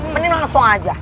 mending langsung aja